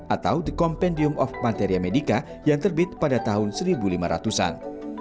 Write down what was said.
atau the compendium of materia medica yang terbit pada tahun seribu lima ratus an